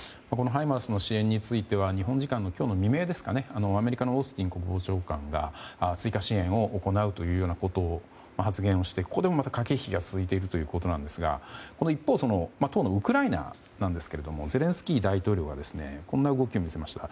ハイマースの支援については日本時間の今日未明アメリカのオースティン国防長官が追加支援を行うという発言をしてここでもまた駆け引きが続いているということなんですが一方のウクライナなんですがゼレンスキー大統領はこんな動きを見せました。